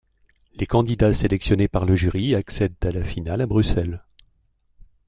Les candidats sélectionnés par le jury accèdent à la finale à Bruxelles.